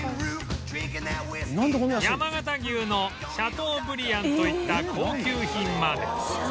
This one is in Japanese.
山形牛のシャトーブリアンといった高級品まで